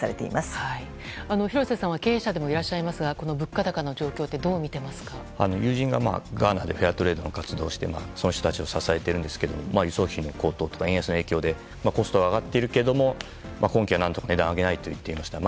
廣瀬さんは経営者でもいらっしゃいますが物価高の状況って友人がガーナでフェアトレードの活動をして支えているんですが輸送費の高騰とか円安の影響でコストが上がっているけれども今期は値段を上げないと言っていました。